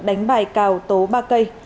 đánh bài cào tố ba cây